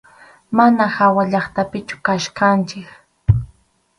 Manam hawallaqtapichu kachkanchik.